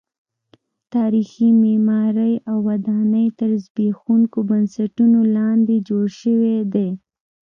تاریخي معمارۍ او ودانۍ تر زبېښونکو بنسټونو لاندې جوړې شوې دي.